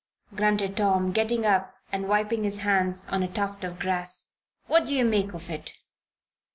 grunted Tom, getting up and wiping his hands on a tuft of grass. "What do you make of it?"